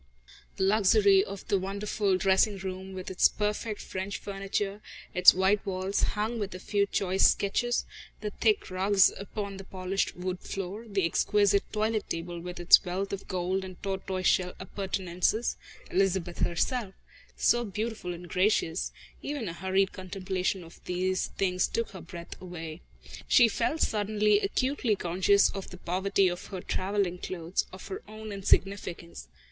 The luxury of the wonderful dressing room, with its perfect French furniture, its white walls hung with a few choice sketches, the thick rugs upon the polished wood floor, the exquisite toilet table with its wealth of gold and tortoiseshell appurtenances Elizabeth herself, so beautiful and gracious even a hurried contemplation of all these things took her breath away. She felt suddenly acutely conscious of the poverty of her travelling clothes, of her own insignificance.